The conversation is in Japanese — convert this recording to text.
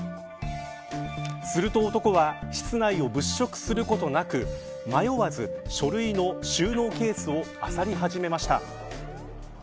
すると男は室内を物色することなく迷わず書類の収納ケースをあさり始めました。